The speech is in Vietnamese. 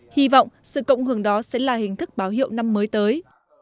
hy vọng sự cộng hưởng đó sẽ là hình thức báo hiệu năm mới tới